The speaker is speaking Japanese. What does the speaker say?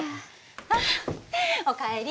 あっお帰り。